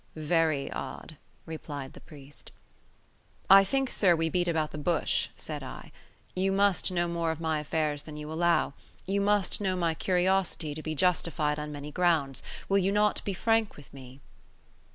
"Very odd," replied the priest. "I think, sir, we beat about the bush," said I. "You must know more of my affairs than you allow. You must know my curiosity to be justified on many grounds. Will you not be frank with me?"